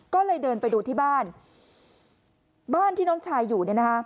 ก็เลยเดินไปดูที่บ้านบ้านที่น้องชายอยู่เนี่ยนะคะ